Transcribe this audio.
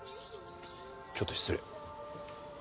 ちょっと失礼。